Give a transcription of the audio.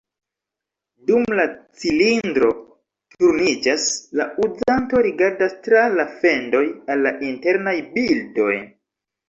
Dum la cilindro turniĝas, la uzanto rigardas tra la fendoj al la internaj bildoj.